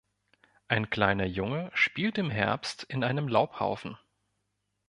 Ein kleiner Junge spielt im Herbst in einem Laubhaufen.